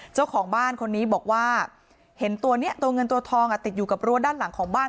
เจ้าของบ้านคนนี้บอกว่าเห็นตัวนี้ตัวเงินตัวทองอ่ะติดอยู่กับรั้วด้านหลังของบ้าน